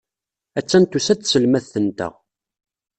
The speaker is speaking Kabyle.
Attan tusa-d tselmadt-nteɣ.